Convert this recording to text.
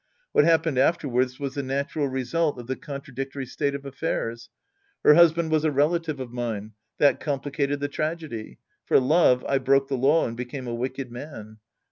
What happened afterwards was the natural result of the contradictoiy state of affairs. Her husband was a relative of mine. That complicated the tragedy. For love, I broke the law and became a wicked man.